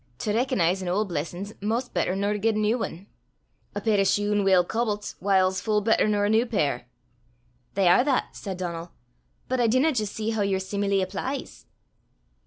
To recognize an auld blessin' 's 'maist better nor to get a new ane. A pair o' shune weel cobblet 's whiles full better nor a new pair." "They are that," said Donal; "but I dinna jist see hoo yer seemile applies."